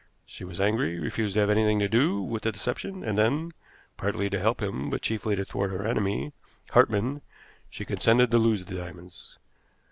She was angry, refused to have anything to do with the deception, and then, partly to help him, but chiefly to thwart her enemy, Hartmann, she consented to lose the diamonds.